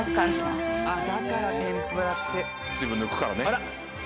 あら！